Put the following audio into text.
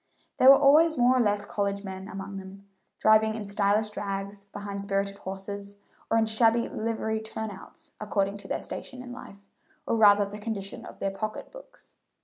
There were always more or less college men among them, driving in stylish drags behind spirited horses or in shabby livery turn outs, according to their station in life, or rather the condition of their pocket books.